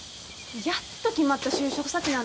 やっと決まった就職先なんだよ？